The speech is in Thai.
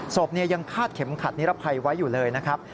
ศพยังคาดเข็มขัดนิรภัยไว้อยู่เลยนะครับ